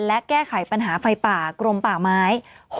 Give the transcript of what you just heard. และแก้ไขปัญหาไฟป่ากรมป่าไม้